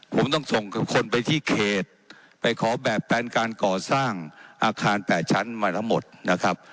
ผมต้องส่งคนไปที่เขตไปขอแบบแปลนการก่อสร้างอาคาร๘ชั้นมาทั้งหมดนะครับ